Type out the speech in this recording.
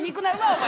お前。